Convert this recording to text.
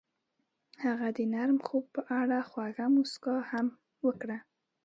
هغې د نرم خوب په اړه خوږه موسکا هم وکړه.